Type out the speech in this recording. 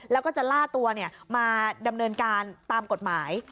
แล้วก็จะล่าตัวมาดำเนินการตามกฎหมาย